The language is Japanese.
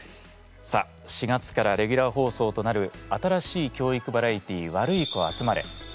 さあ４月からレギュラー放送となる新しい教育バラエティー「ワルイコあつまれ」。